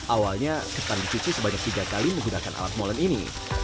awalnya kesan dicuci sebanyak tiga kali menggunakan alat molen ini